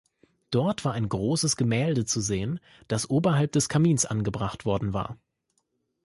Dort war ein großes Gemälde zu sehen, das oberhalb des Kamins angebracht worden war.